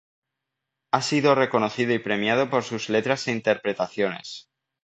Ha sido reconocido y premiado por sus letras e interpretaciones.